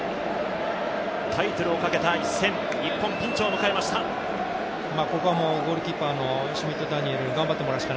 タイトルをかけた一戦、日本ピンチを迎えました。